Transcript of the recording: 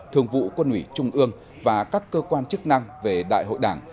thường vụ quân ủy trung ương và các cơ quan chức năng về đại hội đảng